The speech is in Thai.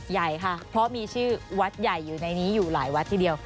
ใหญ่ค่ะเพราะมีชื่อวัดใหญ่อยู่ในนี้อยู่หลายวัดทีเดียว